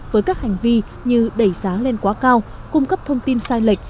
với các hành vi như đẩy sáng lên quá cao cung cấp thông tin sai lệch